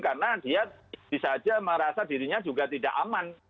karena dia bisa saja merasa dirinya juga tidak aman